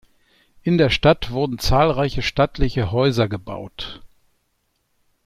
In der Stadt wurden zahlreiche stattliche Häuser gebaut.